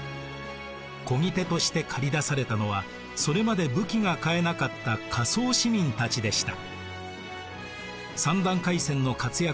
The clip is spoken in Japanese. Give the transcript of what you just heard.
こぎ手として駆り出されたのはそれまで武器が買えなかった下層市民たちでした。